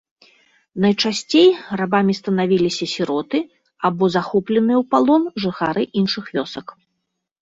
Найчасцей рабамі станавіліся сіроты або захопленыя ў палон жыхары іншых вёсак.